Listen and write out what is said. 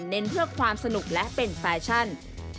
เน้นเพื่อความสนุกและเป็นแฟชั่น